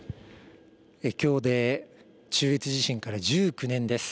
きょうで中越地震から１９年です。